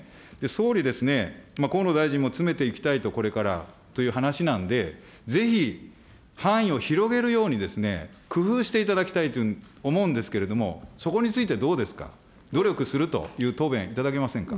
総理ですね、河野大臣も詰めていきたいと、これからという話なんで、ぜひ、範囲を広げるようにですね、工夫していただきたいと思うんですけれども、そこについてどうですか。努力するという答弁、いただけませんか。